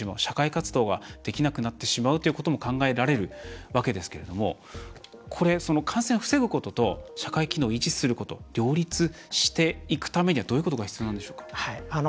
社会活動ができなくなってしまうということも考えられるわけですけども感染を防ぐことと社会機能を維持すること両立していくためにはどういうことが必要なんでしょうか？